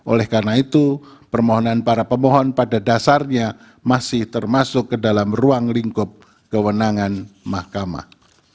oleh karena itu permohonan para pemohon pada dasarnya masih termasuk ke dalam ruang lingkup kewenangan mahkamah